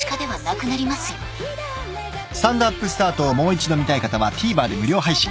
［『スタンドＵＰスタート』をもう一度見たい方はＴＶｅｒで無料配信］